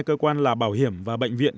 giúp hai cơ quan là bảo hiểm và bệnh viện